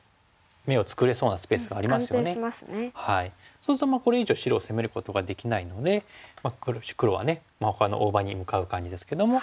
そうするとこれ以上白を攻めることができないので黒はほかの大場に向かう感じですけども。